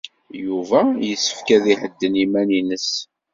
Yuba yessefk ad ihedden iman-nnes.